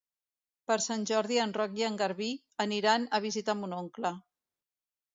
Per Sant Jordi en Roc i en Garbí aniran a visitar mon oncle.